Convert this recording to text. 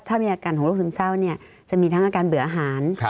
ถ้ามีอาการของโรคซึมเศร้าเนี่ยจะมีทั้งอาการเบื่ออาหาร